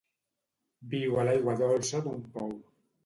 Viu a l'aigua dolça d'un pou.